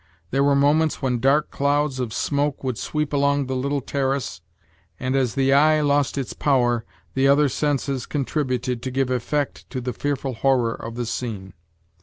There were moments when dark clouds of smoke would sweep along the little terrace; and, as the eye lost its power, the other senses contributed to give effect to the fearful horror of the scene.